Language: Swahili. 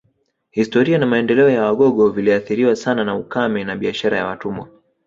Historia na maendeleo ya Wagogo viliathiriwa sana na ukame na biashara ya watumwa